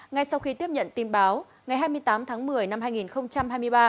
ngay sau khi tiếp nhận tin báo ngày hai mươi tám tháng một mươi năm hai nghìn hai mươi ba